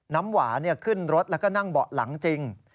น้ำหวานขึ้นรถแล้วก็นั่งเบาะหลังจริง